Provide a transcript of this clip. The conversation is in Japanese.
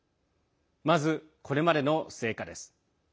まず、これまでの成果です。